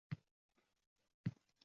Nima eksang, shuni o'rasan.